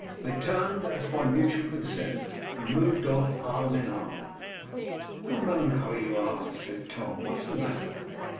They turned, as by mutual consent, and moved off arm in arm. 'How melancholy you are!' said Tom; 'what is the matter?